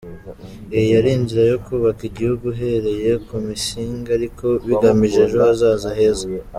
Iyi yari inzira yo kubaka igihugu uhereye ku musingi ariko bigamije ejo hazaza heza.